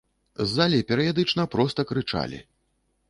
З залі перыядычна проста крычалі.